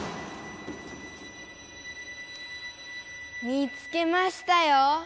見つけましたよ！